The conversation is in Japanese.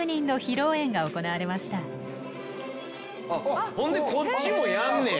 あっほんでこっちもやんねや。